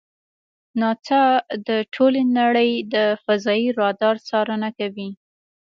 ناسا د ټولې نړۍ د فضایي رادار څارنه کوي.